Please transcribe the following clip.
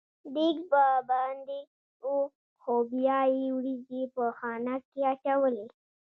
دېګ به باندې و خو بیا یې وریجې په خانک کې اچولې.